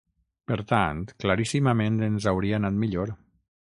Per tant, claríssimament ens hauria anat millor.